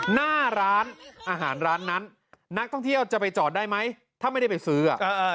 หน้าร้านอาหารร้านนั้นนักท่องเที่ยวจะไปจอดได้ไหมถ้าไม่ได้ไปซื้ออ่ะ